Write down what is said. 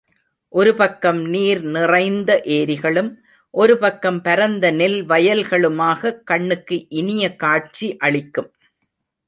ஒரு பக்கம் நீர் நிறைந்த ஏரிகளும், ஒரு பக்கம் பரந்த நெல்வயல்களுமாக கண்ணுக்கு இனிய காட்சி அளிக்கும்.